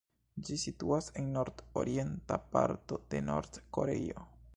Ĝi situas en nord-orienta parto de Nord-Koreio.